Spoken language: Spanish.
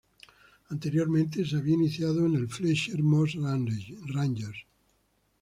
Anteriormente, se había iniciado en el Fletcher Moss Rangers.